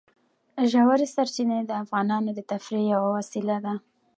ژورې سرچینې د افغانانو د تفریح یوه وسیله ده.